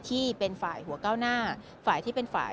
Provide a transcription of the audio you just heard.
แต่เสียหายไปถึงบุคคลที่ไม่เกี่ยวข้องด้วย